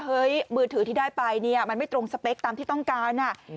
มือถือที่ได้ไปเนี่ยมันไม่ตรงสเปคตามที่ต้องการ